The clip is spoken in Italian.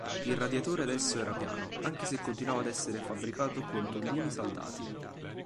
Il radiatore adesso era piano, anche se continuava ad essere fabbricato con tondini saldati.